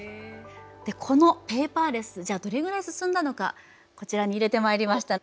このペーパーレスじゃあどれぐらい進んだのかこちらに入れてまいりました。